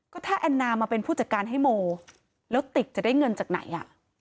ก็ถ้าแอนนามาเป็นผู้จัดการให้โมแล้วติกจะได้เงินจากไหนอ่ะ